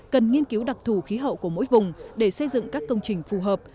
cần nghiên cứu đặc thù khí hậu của mỗi vùng để xây dựng các công trình phù hợp